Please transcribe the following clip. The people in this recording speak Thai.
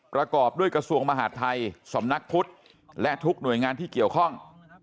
ประกอบด้วยกระทรวงมหาดไทยสำนักพุทธและทุกหน่วยงานที่เกี่ยวข้อง